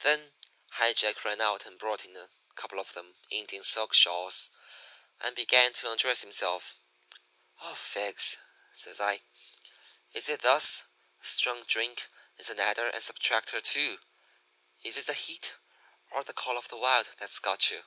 "Then High Jack ran out and brought in a couple of them Indian silk shawls and began to undress himself. "'Oh, figs!' says I. 'Is it thus? Strong drink is an adder and subtractor, too. Is it the heat or the call of the wild that's got you?'